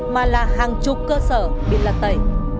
mà là hàng chục cơ sở bị lật tẩy